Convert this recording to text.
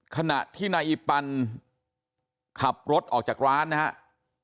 ขณะที่นายอีปันขับรถออกจากร้านนะครับ